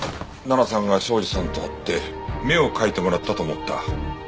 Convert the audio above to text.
奈々さんが庄司さんと会って目を描いてもらったと思った。